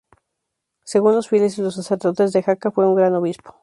Según los fieles y los sacerdotes de Jaca fue un gran obispo.